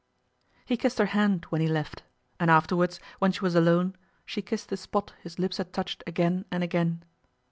He kissed her hand when he left, and afterwards, when she was alone, she kissed the spot his lips had touched again and again.